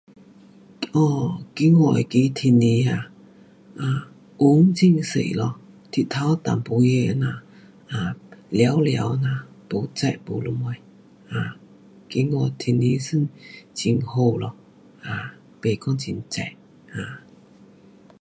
哦，今天那个天气啊，啊，云很多咯，日头一点儿这样，啊，了了这样没热没什么，今天天气算很好咯，啊，不讲很热。啊。